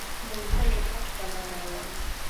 موږ تل د حق په لاره روان یو.